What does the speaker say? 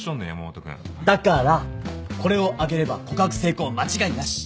だからこれをあげれば告白成功間違いなし！